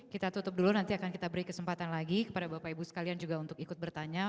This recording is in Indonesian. kita tutup dulu nanti akan kita beri kesempatan lagi kepada bapak ibu sekalian juga untuk ikut bertanya